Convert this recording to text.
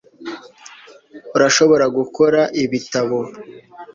urashobora gukora ibitabo